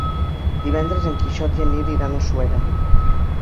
Divendres en Quixot i en Nil iran a Suera.